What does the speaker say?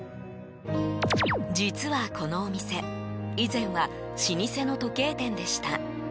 実は、このお店以前は老舗の時計店でした。